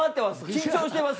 緊張してます。